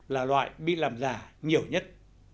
là loại bị làm giả nhiều nhất